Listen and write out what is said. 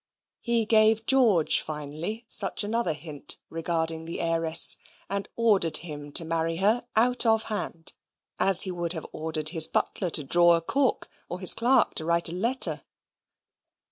He gave George finally such another hint regarding the heiress; and ordered him to marry her out of hand, as he would have ordered his butler to draw a cork, or his clerk to write a letter.